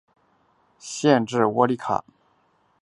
县治窝利卡。